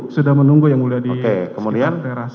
sudah menunggu yang mulia di sekitar teras